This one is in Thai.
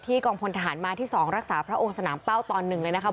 กองพลทหารมาที่๒รักษาพระองค์สนามเป้าตอนหนึ่งเลยนะครับ